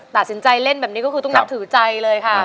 ตัดสินใจเล่นแบบนี้ก็คือต้องนับถือใจเลยค่ะ